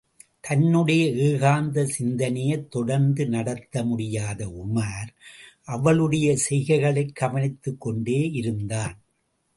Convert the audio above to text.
தன்னுடைய ஏகாந்த சிந்தைனையைத் தொடர்ந்து நடத்த முடியாத உமார், அவளுடைய செய்கைகளைக் கவனித்துக் கொண்டே இருந்தான்.